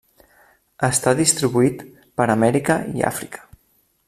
Està distribuït per Amèrica i Àfrica.